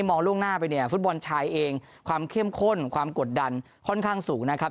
มองล่วงหน้าไปเนี่ยฟุตบอลชายเองความเข้มข้นความกดดันค่อนข้างสูงนะครับ